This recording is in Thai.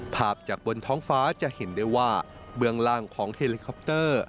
ภาพจากบนท้องฟ้าจะเห็นได้ว่าเบื้องล่างของเฮลิคอปเตอร์